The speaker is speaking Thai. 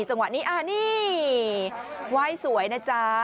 จังหวะนี้นี่ไหว้สวยนะจ๊ะ